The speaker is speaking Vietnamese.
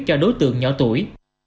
cho đối tượng nhỏ tuổi